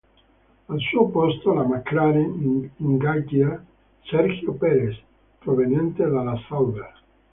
Al suo posto la McLaren ingaggia Sergio Pérez, proveniente dalla Sauber.